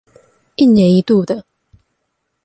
一年一度的